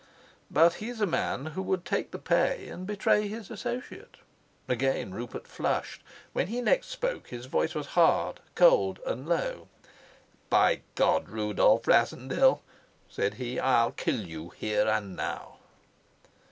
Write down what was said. "But he's a man who would take the pay and betray his associate." Again Rupert flushed. When he next spoke his voice was hard, cold, and low. "By God, Rudolf Rassendyll," said he, "I'll kill you here and now."